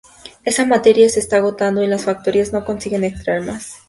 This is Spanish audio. Esa materia se está agotando y las factorías no consiguen extraer más.